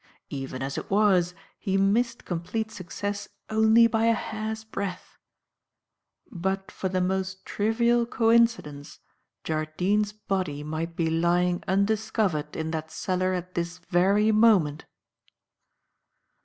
Even as it was, he missed complete success only by a hair's breadth. But for the most trivial coincidence, Jardine's body might be lying undiscovered in that cellar at this very moment."